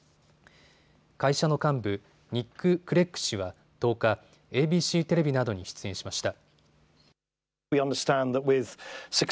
会社の幹部、ニック・クレッグ氏は１０日、ＡＢＣテレビなどに出演しました。